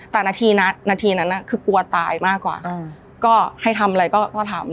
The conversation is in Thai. แต่นาทีนั้นคือกลัวตายมากกว่าก็ให้ทำอะไรก็ทำ